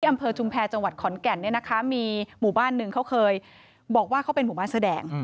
อำเภอชุมแพรจังหวัดขอนแก่นเนี่ยนะคะมีหมู่บ้านหนึ่งเขาเคยบอกว่าเขาเป็นหมู่บ้านเสื้อแดง